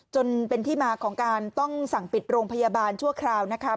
จนเป็นที่มาของการต้องสั่งปิดโรงพยาบาลชั่วคราวนะคะ